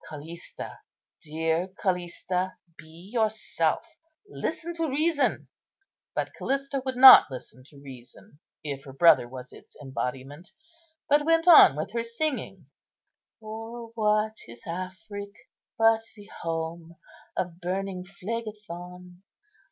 Callista, dear Callista, be yourself. Listen to reason." But Callista would not listen to reason, if her brother was its embodiment; but went on with her singing:— "For what is Afric but the home Of burning Phlegethon?